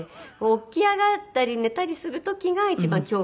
起き上がったり寝たりする時が一番恐怖。